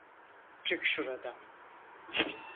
Çık şuradan!